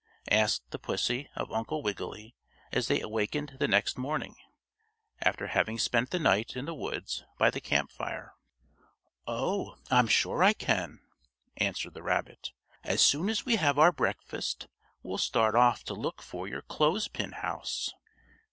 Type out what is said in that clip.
asked the pussy of Uncle Wiggily as they awakened the next morning, after having spent the night in the woods by the camp fire. "Oh, I'm sure I can," answered the rabbit. "As soon as we have our breakfast we'll start off to look for your clothespin house."